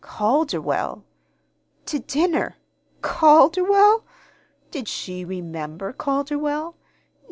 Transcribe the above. Calderwell! To dinner Calderwell! Did she remember Calderwell?